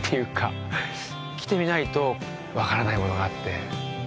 来てみないと分からないものがあって。